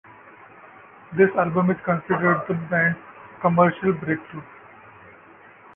This album is considered the band's commercial breakthrough.